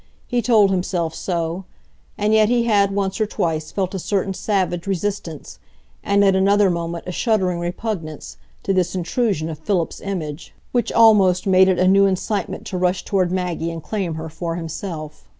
He told himself so; and yet he had once or twice felt a certain savage resistance, and at another moment a shuddering repugnance, to this intrusion of Philip's image, which almost made it a new incitement to rush toward Maggie and claim her for himself.